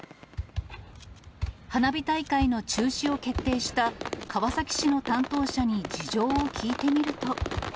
花火大会の中止を決定した川崎市の担当者に事情を聞いてみると。